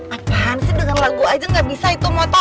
akan sih dengan lagu aja gak bisa itu motor